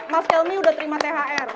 mas kelmi udah terima thr